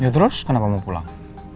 ya terus kenapa mau pulang